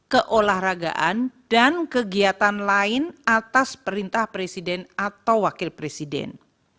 keolahragaan dan kegiatan lain atas perintah presiden atau wakil presiden